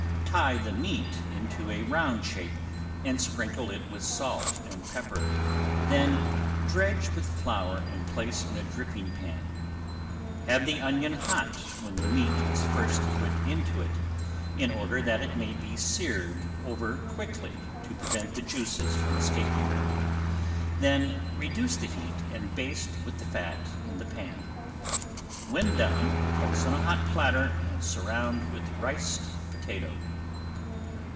Tie the meat into a round shape and sprinkle it with salt and pepper, then dredge with flour and place in a dripping pan. Have the oven hot when the meat is first put into it, in order that it may be seared over quickly to prevent the juices from escaping. Then reduce the heat and baste with the fat in the pan. When done place on a hot platter and surround with riced potato.